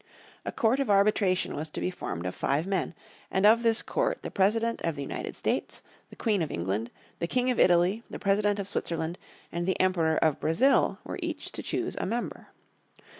A Court of Arbitration was to be formed of five men; and of this court the President of the United States, the Queen of England, the King of Italy, the President of Switzerland, and the Emperor of Brazil, were each to choose a member.